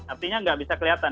artinya tidak bisa kelihatan